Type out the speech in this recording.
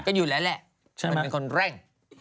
ก็อยู่แล้วแหละมันเป็นคนเร่ง